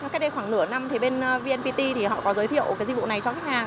cách đây khoảng nửa năm thì bên vnpt thì họ có giới thiệu cái dịch vụ này cho khách hàng